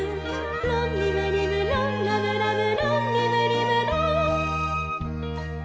「ロンリムリムロンラムラムロンリムリムロン」